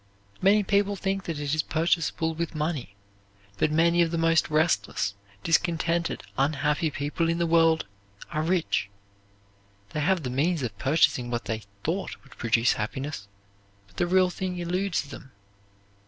Many people think that it is purchasable with money, but many of the most restless, discontented, unhappy people in the world are rich. They have the means of purchasing what they thought would produce happiness, but the real thing eludes them.